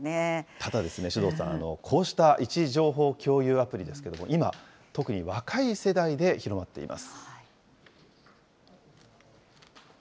ただですね、首藤さん、こうした位置情報共有アプリですけれども、今、特に若い世代で広まっています。